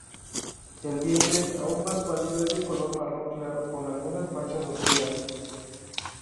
El vientre, aún más pálido, es de color marrón claro, con algunas manchas oscuras.